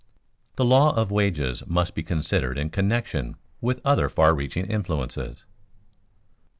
_The law of wages must be considered in connection with other far reaching influences.